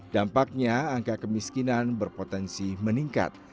dampaknya angka kemiskinan berpotensi meningkat